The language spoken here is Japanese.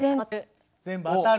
全部当たる！